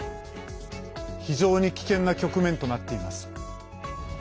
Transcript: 非常に危険な局面となっています。